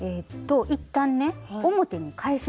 一旦ね表に返します。